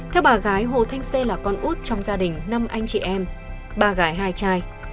theo bà gái hồ thanh xê là con út trong gia đình năm anh chị em ba gái hai trai